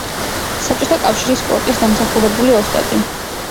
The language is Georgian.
საბჭოთა კავშირის სპორტის დამსახურებული ოსტატი.